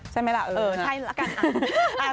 ใช่ไหมล่ะเออใช่ละกัน